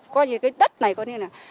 coi như cái đất này có như là